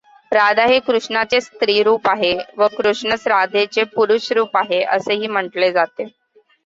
राधा हे कृष्णाचेच स्त्रीरूप आहे व कृष्णच राधेचे पुरुषरूप आहे असेही म्हटले जाते.